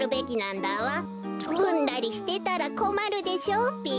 うんだりしてたらこまるでしょうべ。